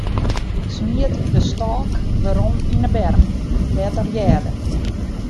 Ik smiet de stôk werom yn 'e berm, dêr't er hearde.